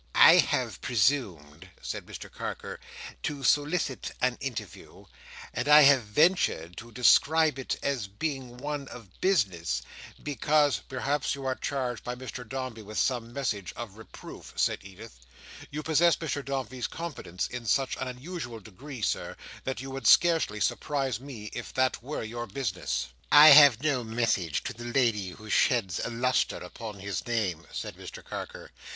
"I have presumed," said Mr Carker, "to solicit an interview, and I have ventured to describe it as being one of business, because—" "Perhaps you are charged by Mr Dombey with some message of reproof," said Edith "You possess Mr Dombey's confidence in such an unusual degree, Sir, that you would scarcely surprise me if that were your business." "I have no message to the lady who sheds a lustre upon his name," said Mr Carker.